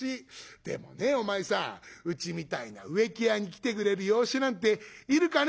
でもねお前さんうちみたいな植木屋に来てくれる養子なんているかね？」。